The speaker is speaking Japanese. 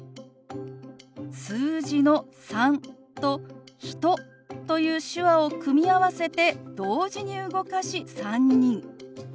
数字の「３」と「人」という手話を組み合わせて同時に動かし「３人」。